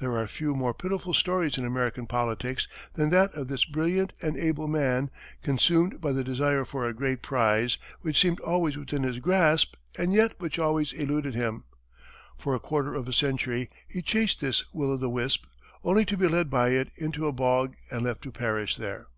There are few more pitiful stories in American politics than that of this brilliant and able man, consumed by the desire for a great prize which seemed always within his grasp and yet which always eluded him. For a quarter of a century, he chased this will o' the wisp, only to be led by it into a bog and left to perish there.